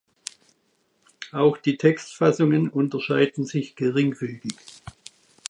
Auch die Textfassungen unterscheiden sich geringfügig.